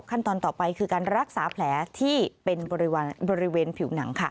ขั้นตอนต่อไปคือการรักษาแผลที่เป็นบริเวณผิวหนังค่ะ